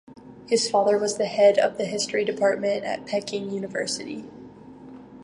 His father was the head of the history department at Peking University.